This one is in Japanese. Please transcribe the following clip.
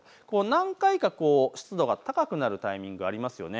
何回か湿度が高くなるタイミング、ありますよね。